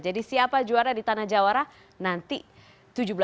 jadi siapa juara di tanah jawara nanti tujuh belas maret